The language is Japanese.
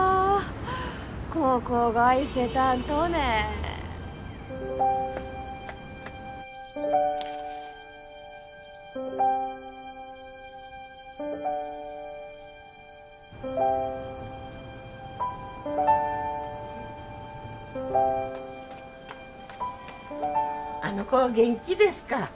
ここが伊勢丹とねあの子元気ですか？